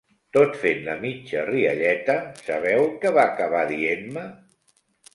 Tot fent la mitja rialleta, sabeu què va acabar dient-me?